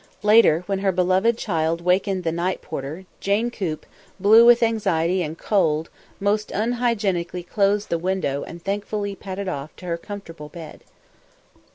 Later, when her beloved child wakened the night porter, Jane Coop, blue with anxiety and cold, most unhygienically closed the window and thankfully padded off to her comfortable bed.